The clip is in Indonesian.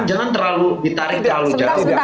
jangan terlalu ditarik terlalu jangka